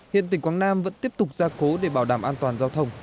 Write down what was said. hiện tỉnh quảng nam vẫn tiếp tục ra cố để bảo đảm an toàn giao thông